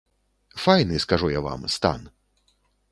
Файны, скажу я вам, стан!